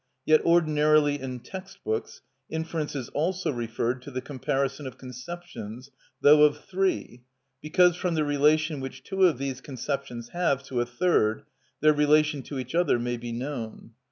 Yet ordinarily in text books inference is also referred to the comparison of conceptions, though of three, because from the relation which two of these conceptions have to a third their relation to each other may be known.